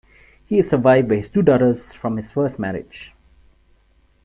He is survived by his two daughters from his first marriage.